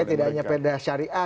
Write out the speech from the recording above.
tidak hanya perda syariah